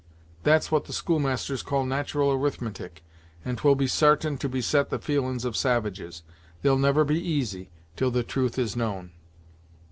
That's what the schoolmasters call nat'ral arithmetic, and 'twill be sartain to beset the feelin's of savages. They'll never be easy, till the truth is known."